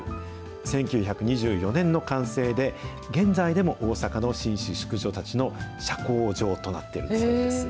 １９２４年の完成で、現在でも大阪の紳士、淑女たちの社交場となっているんだそうです。